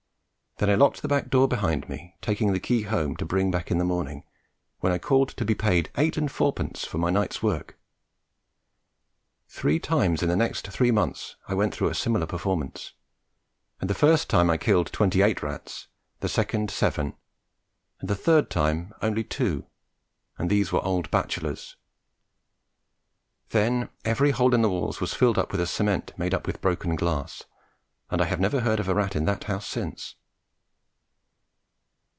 Then I locked the back door behind me, taking the key home to bring back in the morning when I called to be paid eight and fourpence for my night's work. Three times in the next three months I went through a similar performance, and the first time I killed twenty eight rats, the second seven, and the third time only two, and these were old bachelors. Then every hole in the walls was filled up with a cement made up with broken glass, and I have never heard of a rat in that house since.